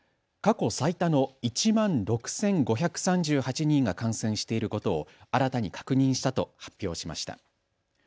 過去最多の１万６５３８人が感染していることを新たに確認したと発表しました。